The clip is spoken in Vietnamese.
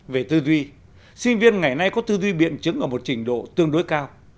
về tư duy sinh viên ngày nay có tư duy biện chứng ở một trình độ tương đối cao